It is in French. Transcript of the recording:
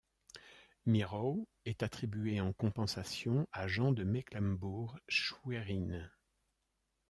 Mirow est attribué en compensation à Jean de Mecklembourg-Schwerin.